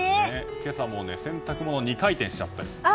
今朝も洗濯物２回転しちゃったよ。